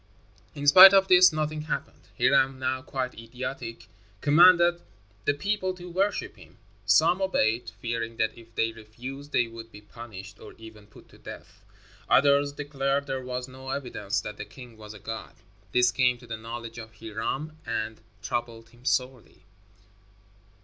In spite of this, nothing happened. Hiram, now quite idiotic, commanded the people to worship him. Some obeyed, fearing that if they refused they would be punished, or even put to death. Others declared there was no evidence that the king was a god. This came to the knowledge of Hiram and troubled him sorely.